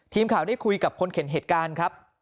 ทีมข่าวได้คุยกับคนเห็นเหตุการณ์ครับ